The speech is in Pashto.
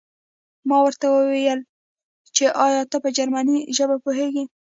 ما ورته وویل چې ایا ته په جرمني ژبه پوهېږې